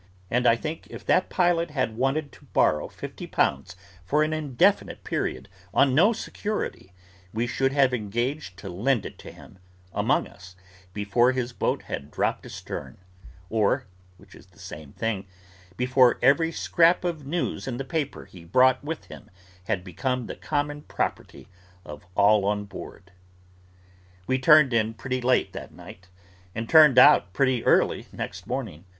And I think if that pilot had wanted to borrow fifty pounds for an indefinite period on no security, we should have engaged to lend it to him, among us, before his boat had dropped astern, or (which is the same thing) before every scrap of news in the paper he brought with him had become the common property of all on board. We turned in pretty late that night, and turned out pretty early next morning.